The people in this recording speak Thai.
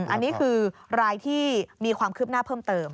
อันนี้คือรายที่มีความคืบหน้าเพิ่มเติม